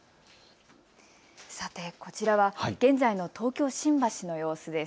さてこちらは現在の東京新橋の様子です。